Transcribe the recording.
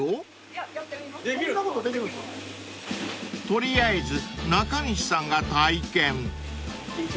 ［取りあえず中西さんが体験］